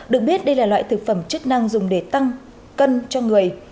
được biết đây là loại thực phẩm chức năng dùng để tăng cân cho người